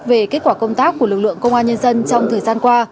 về kết quả công tác của lực lượng công an nhân dân trong thời gian qua